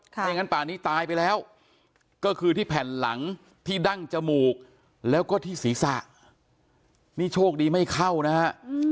ถ้าอย่างนั้นป่านี้ตายไปแล้วก็คือที่แผ่นหลังที่ดั้งจมูกแล้วก็ที่ศีรษะนี่โชคดีไม่เข้านะฮะ